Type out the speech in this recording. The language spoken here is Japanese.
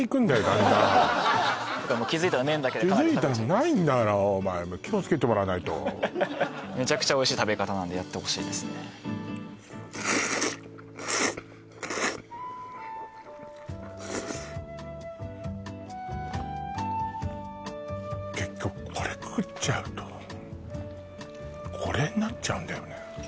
気づいたら麺だけでかなり気づいたらないんだからおまえ気をつけてもらわないとめちゃくちゃおいしい食べ方なんでやってほしいですね結局これ食っちゃうとこれになっちゃうんだよね